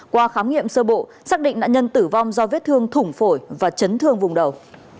qua khám nghiệm sơ bộ xác định nạn nhân tử vong do vết thương thủng phổi và chấn thương vùng đầu